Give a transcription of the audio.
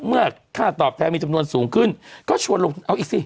เมื่อค่าตอบแทนมีจำนวนสูงขึ้นก็ชวนลงทุนเอาอีกสิ